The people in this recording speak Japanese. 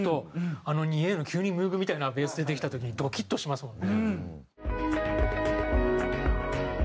あの２Ａの急にムーブみたいなベース出てきた時にドキッとしますもんね。